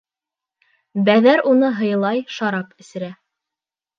Бәҙәр уны һыйлай, шарап эсерә.